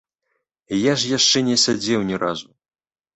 Я ж яшчэ не сядзеў ні разу.